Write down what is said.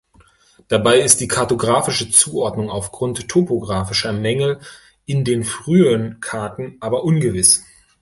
Dabei ist die kartografische Zuordnung aufgrund topografischer Mängel in den frühen Karten aber ungewiss.